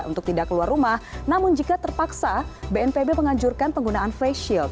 untuk tidak keluar rumah namun jika terpaksa bnpb menganjurkan penggunaan face shield